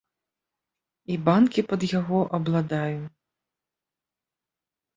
І банкі пад яго абладаю.